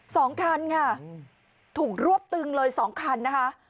สองคันค่ะถูกรวบตึงเลยสองคันนะคะ